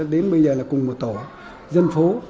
đến bây giờ là cùng một tổ dân phố